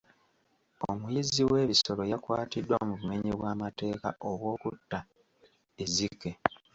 Omuyizzi w'ebisolo yakwatiddwa mu bumenyi bw'amateeka obw'okutta ezzike.